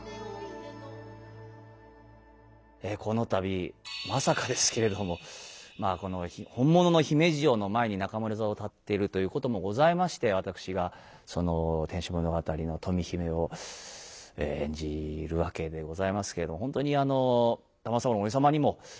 この度まさかですけれどもまあこの本物の姫路城の前に中村座を建てるということもございまして私が「天守物語」の富姫を演じるわけでございますけれど本当に玉三郎のおじ様にも手取り足取り